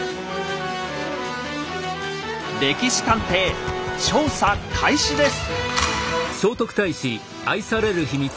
「歴史探偵」調査開始です。